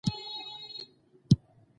اولاد مو صالح کړئ.